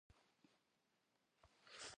Zı fe yilhheğue şığın tığe khısxuiş'aş.